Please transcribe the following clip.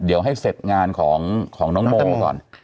เดี๋ยวให้เสร็จงานของน้องโมก่อน